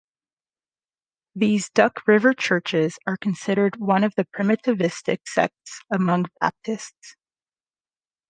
These "Duck River" churches are considered one of the "primitivistic" sects among Baptists.